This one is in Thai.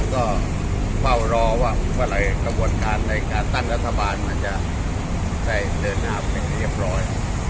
ก็เฝ้ารอว่าเมื่อไหร่กระบวนการในการตั้งรัฐบาลมันจะได้เดินหน้าเป็นที่เรียบร้อย